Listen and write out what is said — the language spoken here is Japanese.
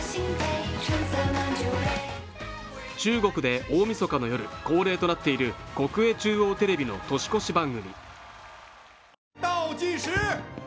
中国で大みそかの夜、恒例となっている国営中央テレビの年越し番組。